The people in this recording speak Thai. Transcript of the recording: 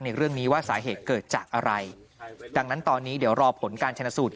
ในเรื่องนี้ว่าสาเหตุเกิดจากอะไรดังนั้นตอนนี้เดี๋ยวรอผลการชนะสูตร